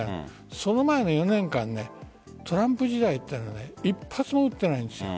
その前の４年間トランプ陣営時代というのは一発も撃っていないんです。